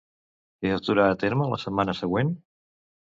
Què es durà a terme la setmana següent?